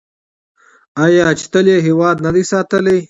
آیا چې تل یې هیواد نه دی ساتلی؟